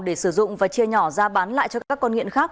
để sử dụng và chia nhỏ ra bán lại cho các con nghiện khác